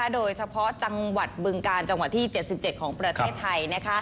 โดยเฉพาะจังหวัดบึงกาลจังหวัดที่๗๗ของประเทศไทย